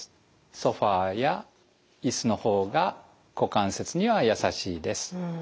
ソファーや椅子の方が股関節にはやさしいです。